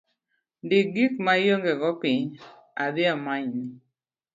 Ndik gik maionge go piny , adhi amanyni